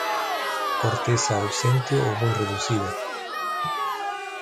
Corteza ausente o muy reducida.